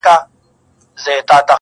خدای انډیوال که جانان څۀ ته وایي،